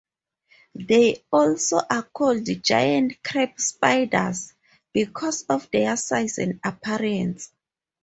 They also are called giant crab spiders because of their size and appearance.